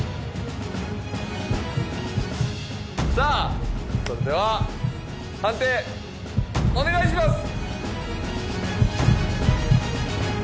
さあそれでは判定お願いします！